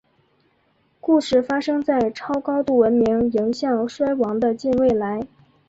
故事发生在超高度文明迎向衰亡的近未来。